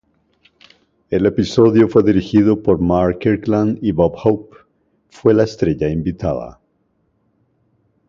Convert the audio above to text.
El episodio fue dirigido por Mark Kirkland y Bob Hope, fue la estrella invitada.